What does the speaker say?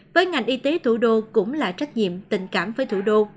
với ngành y tế thủ đô cũng là trách nhiệm tình cảm với thủ đô